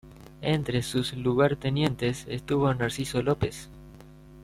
Entre sus lugartenientes estuvo Narciso López.